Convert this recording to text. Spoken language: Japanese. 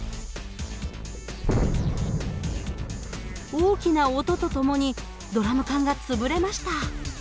大きな音とともにドラム缶が潰れました。